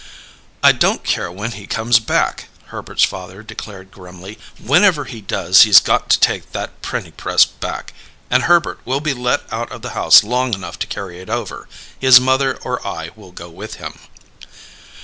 "I don't care when he comes back," Herbert's father declared grimly. "Whenever he does he's got to take that printing press back and Herbert will be let out of the house long enough to carry it over. His mother or I will go with him."